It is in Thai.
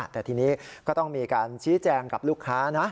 แต่ทีนี้ก็ต้องมีการชี้แจงกับลูกค้านะ